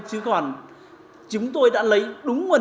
chứ còn chúng tôi đã lấy đúng nguồn nước này